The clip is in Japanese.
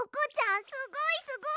すごいすごい！